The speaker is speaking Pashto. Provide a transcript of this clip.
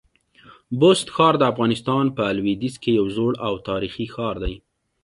بست ښار د افغانستان په لودیځ کي یو زوړ او تاریخي ښار دی.